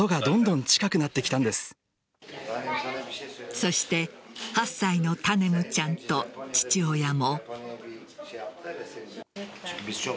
そして８歳のタネムちゃんと父親も。